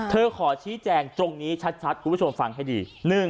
ขอชี้แจงตรงนี้ชัดคุณผู้ชมฟังให้ดี